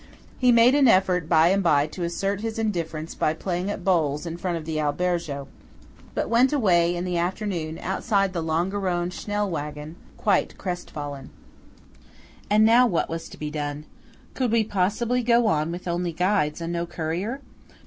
He made an effort by and by to assert his indifference by playing at bowls in front of the albergo; but went away in the afternoon outside the Longarone Schnell wagen, quite crestfallen. And now what was to be done? Could we possibly go on with only guides, and no courier?